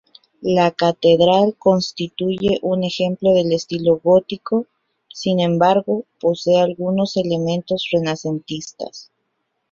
La catedral constituye un ejemplo del estilo gótico, sin embargo, posee algunos elementos renacentistas.